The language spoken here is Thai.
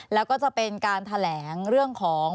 แล้วก็จะเป็นการแถลงเรื่องของ